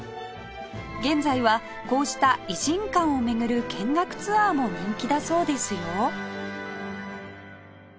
現在はこうした異人館を巡る見学ツアーも人気だそうですよ